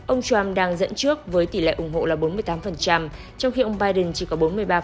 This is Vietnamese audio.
ông trump đang dẫn trước với tỷ lệ ủng hộ là bốn mươi tám trong khi ông biden chỉ có bốn mươi ba